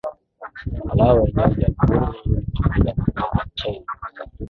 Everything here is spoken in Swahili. lao wenyewe Jamuhuri huru ni pamoja na Karachais